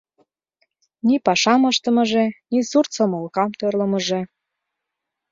Ни пашам ыштымыже, ни сурт сомылкам тӧрлымыжӧ.